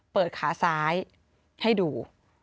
เปิดขาซ้ายให้ดู